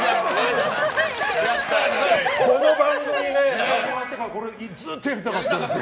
この番組ね、始まってからずっとやりたかったの。